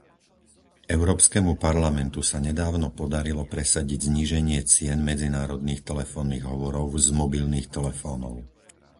Európskemu parlamentu sa nedávno podarilo presadiť zníženie cien medzinárodných telefónnych hovorov z mobilných telefónov.